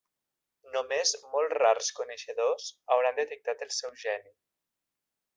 Només molt rars coneixedors hauran detectat el seu geni.